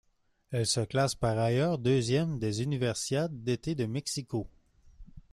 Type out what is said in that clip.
Elle se classe par ailleurs deuxième des Universiades d'été de Mexico.